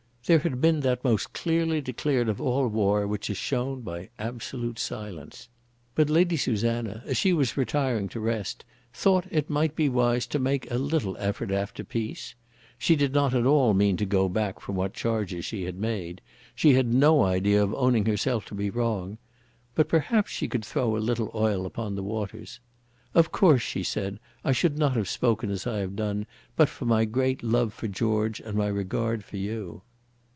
There had been that most clearly declared of all war which is shown by absolute silence. But Lady Susanna, as she was retiring to rest, thought it might be wise to make a little effort after peace. She did not at all mean to go back from what charges she had made. She had no idea of owning herself to be wrong. But perhaps she could throw a little oil upon the waters. "Of course," she said, "I should not have spoken as I have done but for my great love for George and my regard for you."